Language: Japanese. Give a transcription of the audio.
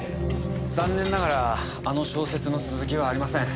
残念ながらあの小説の続きはありません。